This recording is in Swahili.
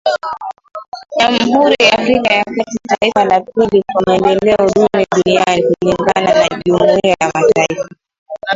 Jamhuri ya Afrika ya kati, taifa la pili kwa maendeleo duni duniani kulingana na Jumuiya ya mataifa.